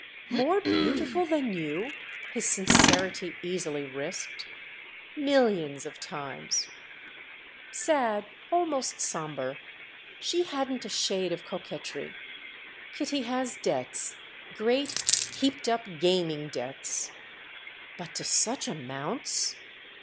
"More beautiful than you?" his sincerity easily risked. "Millions of times." Sad, almost sombre, she hadn't a shade of coquetry. "Kitty has debts—great heaped up gaming debts." "But to such amounts?"